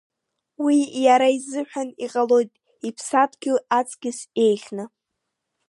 Уа иара изыҳәан иҟалоит иԥсадгьыл аҵкьыс еиӷьны.